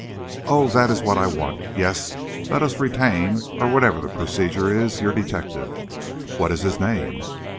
"Oh, that is what I want! Yes, let us retain or whatever the procedure is, your detective. What is his name?"